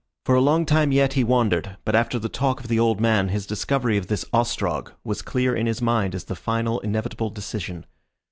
For a long time yet he wandered, but after the talk of the old man his discovery of this Ostrog was clear in his mind as the final inevitable decision.